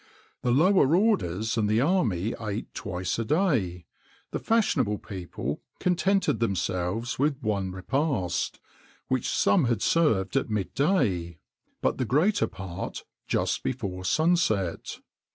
The lower orders and the army eat twice a day;[XXIX 26] the fashionable people contented themselves with one repast,[XXIX 27] which some had served at mid day,[XXIX 28] but the greater part just before sunset.